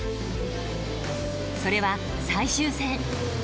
それは最終戦。